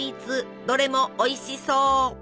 どれもおいしそう！